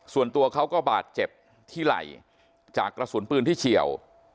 ส่วนตัวเขาก็บาดเจ็บที่ไหล่จากกระสุนปืนที่เฉียว